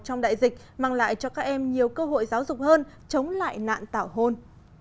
trong đại dịch mang lại cho các em nhiều cơ hội giáo dục hơn chống lại nạn tảo hôn